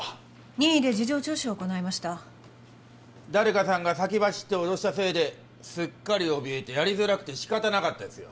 任意で事情聴取を行いました誰かさんが先走って脅したせいですっかりおびえてやりづらくて仕方なかったですよ